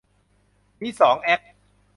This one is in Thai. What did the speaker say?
มีสองแอค